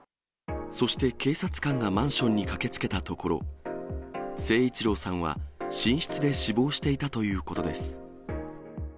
そして警察官がマンションに駆けつけたところ、誠一郎さんは寝室で死亡していたということです。